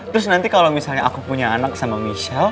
terus nanti kalau misalnya aku punya anak sama michelle